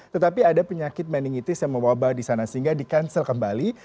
tetapi ada penyakit meningitis yang mewabah di sana sehingga di cancel kembali